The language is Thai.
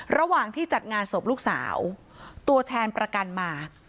ระหว่างที่จัดงานศพลูกสาวตัวแทนประกันมา